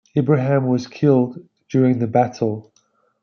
Ibrahim was killed during the battle.